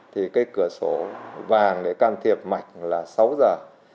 thì cái cửa sổ vàng để can thiệp mạch là sáu giờ